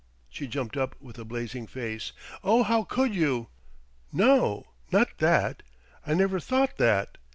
She jumped up with a blazing face. "Oh, how could you?" "No not that I never thought that.